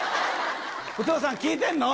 お父さん、聞いてんの？